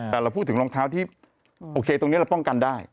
แต่เราพูดถึงรองเท้าที่โอเคตรงนี้เราป้องกันได้